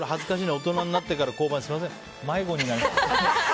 大人になってから交番すみません迷子になりましたって。